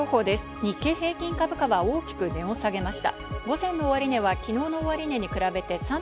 日経平均株価は大きく値を下げました。